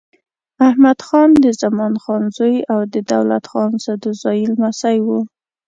احمدخان د زمان خان زوی او د دولت خان سدوزايي لمسی و.